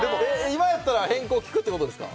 今やったら変更できるってことですか？